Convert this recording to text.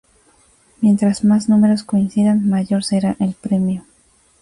Mientras más números coincidan, mayor será el premio.